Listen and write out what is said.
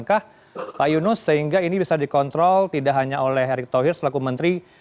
kah pak yunus sehingga ini bisa dikontrol tidak hanya oleh erick thohir selaku menteri